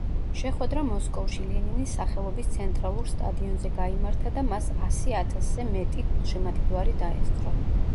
შეხვედრა მოსკოვში, ლენინის სახელობის ცენტრალურ სტადიონზე გაიმართა და მას ასი ათასზე მეტი გულშემატკივარი დაესწრო.